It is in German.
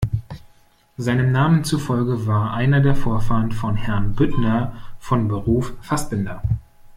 Seinem Namen zufolge war einer der Vorfahren von Herrn Büttner von Beruf Fassbinder.